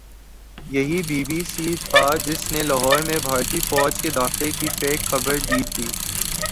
یہی B B C تھا جس نے لاہور میں بھارتی فوج کے داخلے کی فیک خبر دی تھی